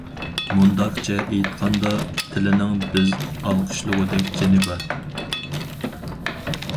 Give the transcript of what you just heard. مۇنداقچە ئېيتقاندا، تىلىنىڭ بىز ئالقىشلىغۇدەك جېنى بار.